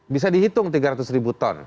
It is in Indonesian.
bisa dihitung tiga ratus ribu ton